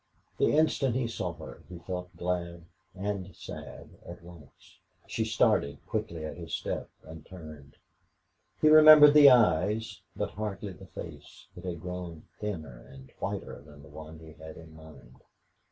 The instant he saw her he felt glad and sad at once. She started quickly at his step and turned. He remembered the eyes, but hardly the face. It had grown thinner and whiter than the one he had in mind.